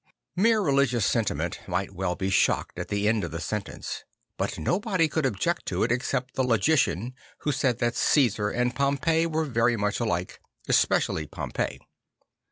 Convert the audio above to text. Mere religious sentiment might well be shocked at the end of the sentence; but nobody could object to it except the logician who said that Cæsar and Pompey were very much alike, especially Pompey.